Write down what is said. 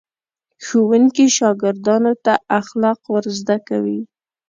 ښوونکي شاګردانو ته اخلاق ور زده کوي.